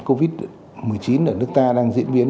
covid một mươi chín ở nước ta đang diễn biến